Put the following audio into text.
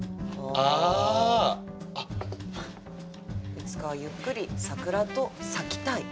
「いつかはゆっくり桜と咲きたい」。